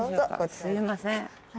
すいません。